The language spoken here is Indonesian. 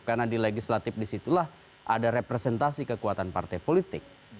karena di legislatif disitulah ada representasi kekuatan partai politik